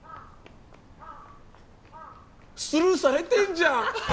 スルーされてんじゃん！